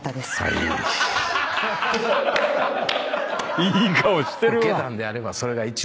いい顔してるわ。